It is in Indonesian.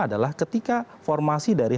adalah ketika formasi dari